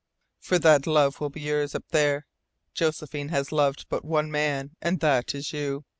For that love will be yours, up there. Josephine has loved but one man, and that is you.